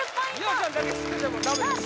梨央ちゃんだけ知っててもダメですさあ